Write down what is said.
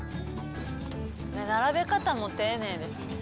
並べ方も丁寧ですね。